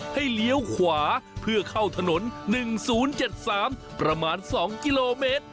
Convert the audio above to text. เลี้ยวขวาเพื่อเข้าถนน๑๐๗๓ประมาณ๒กิโลเมตร